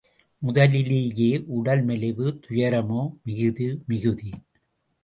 முதலிலேயே உடல் மெலிவு துயரமோ மிகுதி மிகுதி.